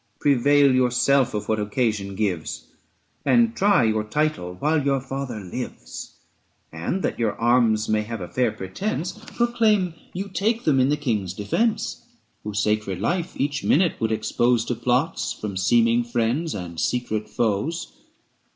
460 Prevail yourself of what occasion gives, But try your title while your father lives ; And, that your arms may have a fair pretence, Proclaim you take them in the King's defence ; Whose sacred life each minute would expose 465 To plots from seeming friends and secret foes.